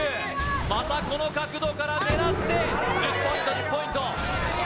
またこの角度から狙って１０ポイント１０ポイント